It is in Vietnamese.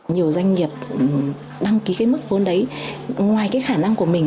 nhiều doanh nghiệp đăng ký cái mức vốn đấy ngoài cái khả năng của mình